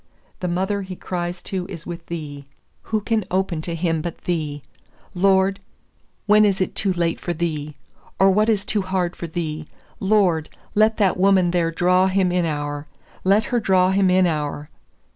The mother he cries to is with Thee. Who can open to him but Thee? Lord, when is it too late for Thee, or what is too hard for Thee? Lord, let that woman there draw him inower! Let her draw him inower!"